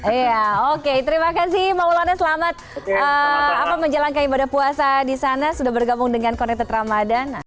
iya oke terima kasih pak ulana selamat menjelangkan ibadah puasa di sana sudah bergabung dengan konektor ramadhan